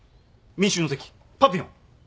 『民衆の敵』『パピヨン』